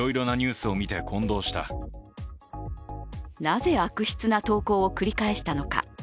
なぜ悪質な投稿を繰り返したのか。